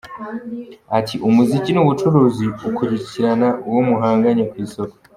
Ati “Umuziki ni ubucuruzi, ukurikirana uwo muhanganye ku isoko.